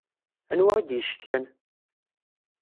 Anwa i d-yecetkan?